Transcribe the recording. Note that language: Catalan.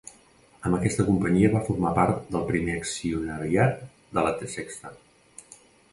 Amb aquesta companyia va formar part del primer accionariat de La Sexta.